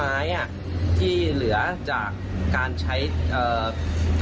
ไม่มีรอยไฟไหม้